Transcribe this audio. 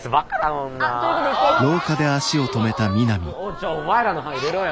じゃあお前らの班入れろよ。